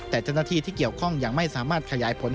แต่เจ้าหน้าที่ที่เกี่ยวข้องยังไม่สามารถขยายผล